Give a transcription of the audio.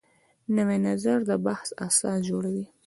نوی نظر د بحث اساس جوړوي